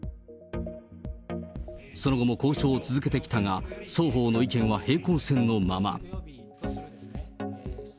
そのごも交渉を続けてきたが、双方の意見は平行線のまま。